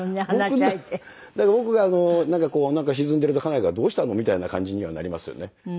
僕がなんか沈んでると家内が「どうしたの？」みたいな感じにはなりますよね。